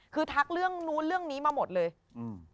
คือทักเรื่องนู้นเรื่องนี้มาหมดเลยอืม